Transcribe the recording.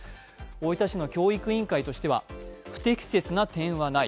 大分市の教育委員会としては、不適切な点はない。